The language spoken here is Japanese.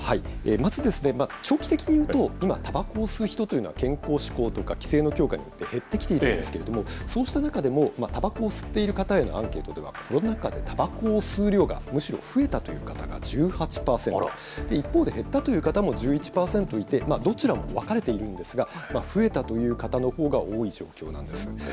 まず、長期的にいうと、今、たばこを吸う人というのは、健康志向とか規制の強化によって減ってきているんですけれども、そうした中でも、たばこを吸っている方へのアンケートでは、コロナ禍でたばこを吸う量が、むしろ増えたという方が１８％、一方で減ったという方も１１％いて、どちらも分かれているんですが、増えたという方のほうが多い状況なんです。